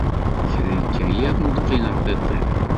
Kra yekka yiḍ, ur qqineɣ tiṭ-iw.